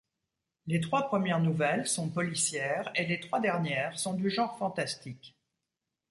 Les trois premières nouvelles sont policières et les trois dernières sont du genre fantastique.